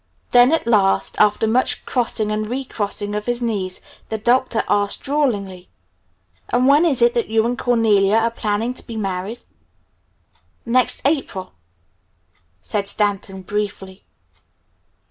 Then at last after much crossing and re crossing of his knees the Doctor asked drawlingly, "And when is it that you and Cornelia are planning to be married?" "Next April," said Stanton briefly.